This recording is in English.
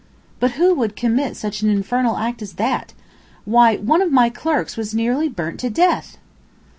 "But who would commit such an infernal act as that? Why, one of my clerks was nearly burnt to death!"